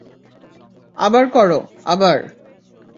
আবার করো, আবার।